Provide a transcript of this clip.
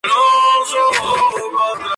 En un buen año pueden tener varias camadas.